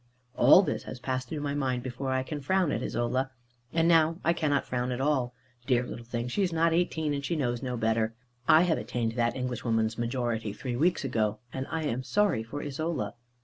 All this has passed through my mind, before I can frown at Isola. And now I cannot frown at all. Dear little thing, she is not eighteen, and she knows no better. I have attained that Englishwoman's majority three weeks ago; and I am sorry for Isola.